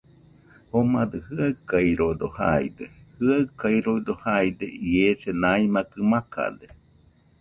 Jomadɨ jɨaɨkaɨrodo jaide, jaɨkaɨrodo jaide. Iese maimakɨ makade.